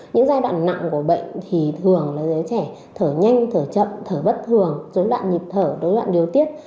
những giai đoạn nặng của bệnh thì thường là đứa trẻ thở nhanh thở chậm thở bất thường dối đoạn nhịp thở đối đoạn điều tiết